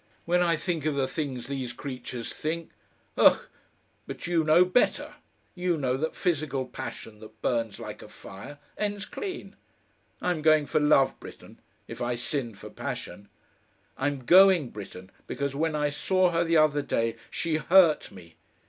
When I think of the things these creatures think! Ugh! But YOU know better? You know that physical passion that burns like a fire ends clean. I'm going for love, Britten if I sinned for passion. I'm going, Britten, because when I saw her the other day she HURT me.